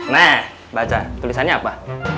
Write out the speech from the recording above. nah baca tulisannya apa